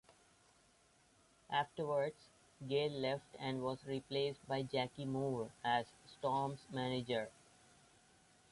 Afterwards, Gail left and was replaced by Jackie Moore as Storm's manager.